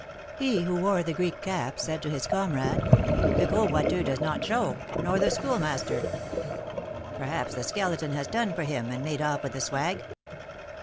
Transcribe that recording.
He who wore the Greek cap said to his comrade, "The Gros Boiteux does not 'show,' nor the Schoolmaster." "Perhaps the Skeleton has 'done for him,' and made off with the 'swag.'"